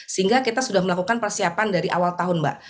sehingga kita sudah melakukan persiapan dari awal tahun mbak